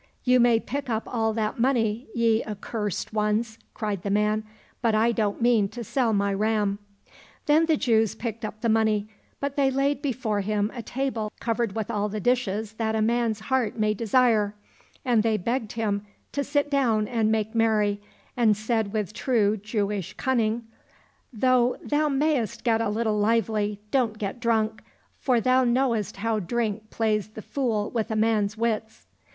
—" You may pick up all that money, ye accursed ones," cried the man, " but I don't mean to sell my ram." Then the Jews picked up the money, but they laid before him a table covered with all the dishes that a man's heart may desire, and they begged him to sit down and make merry, and said with true Jewish cunning, '' Though thou mayst get a little lively, don't get drunk, for thou knowest how drink plays the fool with a man's wits."